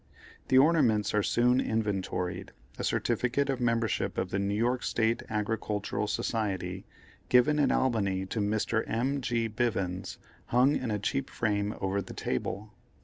The ornaments are soon inventoried; a certificate of membership of the New York State Agricultural Society, given at Albany to Mr. M. G. Bivins, hung in a cheap frame over the table.